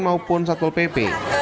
maupun satpol pp